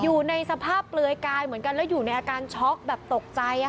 อยู่ในสภาพเปลือยกายเหมือนกันแล้วอยู่ในอาการช็อกแบบตกใจ